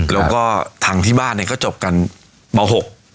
แล้วก็ทางที่บ้านเนี่ยก็จบกันม๖